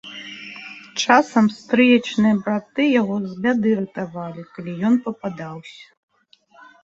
Часам стрыечныя браты яго з бяды ратавалі, калі ён пападаўся.